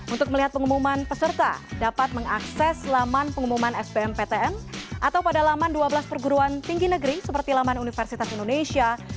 untuk melihat pengumuman peserta dapat mengakses laman pengumuman spm ptm atau pada laman dua belas perguruan tinggi negeri seperti laman universitas indonesia